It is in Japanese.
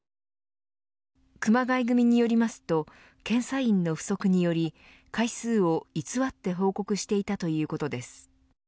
熊谷組によりますと検査員の不足により回数を偽って報告していたということです。